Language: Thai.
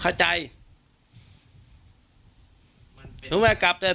การแก้เคล็ดบางอย่างแค่นั้นเอง